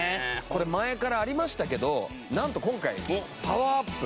これ前からありましたけどなんと今回パワーアップ。